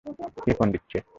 কে phone দিচ্ছে?